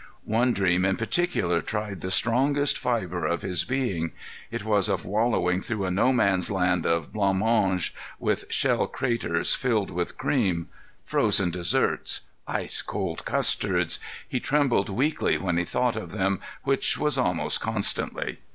One dream in particular tried the strongest fiber of his being. It was of wallowing through a No Man's Land of blanc mange with shell craters filled with cream. Frozen desserts—ice cold custards! He trembled weakly when he thought of them, which was almost constantly.